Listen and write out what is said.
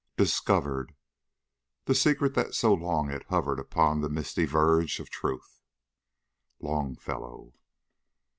Discovered The secret that so long had hovered Upon the misty verge of Truth. LONGFELLOW.